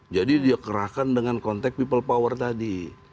jadi dia kerahkan dengan konteks people power tadi